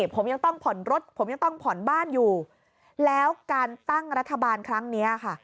ผมยังต้องผ่อนรถผมยังต้องผ่อนบ้านอยู่แล้วการตั้งรัฐบาลครั้งนี้ค่ะ